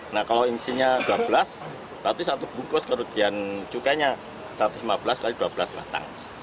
nah kalau isinya dua belas berarti satu bungkus kerugian cukainya satu ratus lima belas x dua belas batang